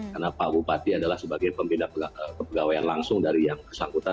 karena pak bupati adalah sebagai pembeda pegawai yang langsung dari yang bersangkutan